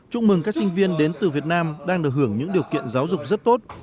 chúc mừng các sinh viên đến từ việt nam đang được hưởng những điều kiện giáo dục rất tốt